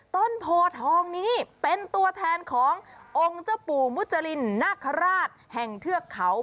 ต้นโพทองนี้เป็นตัวแทนขององค์เจ้าปู่มุจรินนาคาราชแห่งเทือกเขา